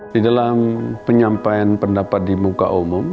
di dalam penyampaian pendapat di muka umum